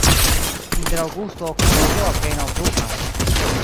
Inter aŭgusto-oktobro apenaŭ pluvas.